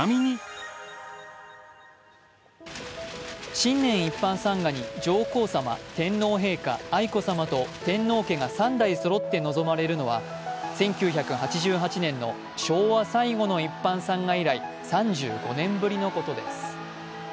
新年一般参賀に上皇さま、天皇陛下、愛子さまと天皇家が３代そろって臨まれるのは天皇家が三代そろって臨まれるのは１９８８年の昭和最後の一般参賀以来３５年ぶりのことです。